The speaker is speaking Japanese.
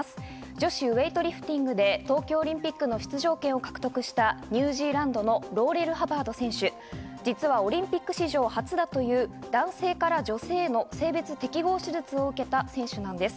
女子ウエイトリフティングで東京オリンピックの出場条件を獲得したニュージーランドのローレル・ハバード選手、実はオリンピック史上初だという男性から女性への性別適合手術を受けた選手なんです。